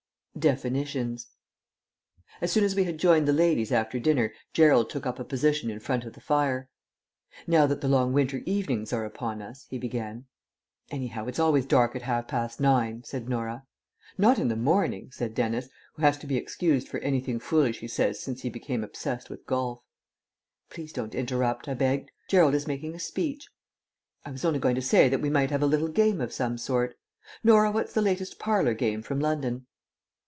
DEFINITIONS As soon as we had joined the ladies after dinner Gerald took up a position in front of the fire. "Now that the long winter evenings are upon us," he began "Anyhow, it's always dark at half past nine," said Norah. "Not in the morning," said Dennis, who has to be excused for anything foolish he says since he became obsessed with golf. "Please don't interrupt," I begged. "Gerald is making a speech." "I was only going to say that we might have a little game of some sort. Norah, what's the latest parlour game from London?"